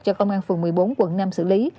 cho công an phường một mươi bốn quận năm xử lý